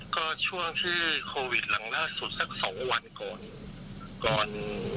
ก็ช่วงที่โควิดหลังล่าสุดสักสองวันก่อนก่อน